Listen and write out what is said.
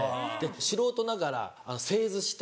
素人ながら製図して。